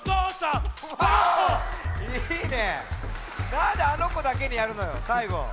なんであのこだけにやるのよさいご。